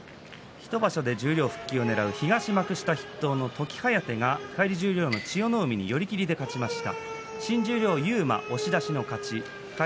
１場所で十両復帰をねらう時疾風が返り十両の千代の海に寄り切りで勝ちました。